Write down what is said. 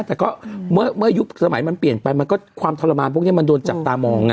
แต่ก็เมื่อยุคสมัยมันเปลี่ยนไปมันก็ความทรมานพวกนี้มันโดนจับตามองไง